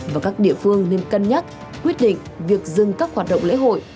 và các địa phương nên cân nhắc quyết định việc dừng các hoạt động lễ hội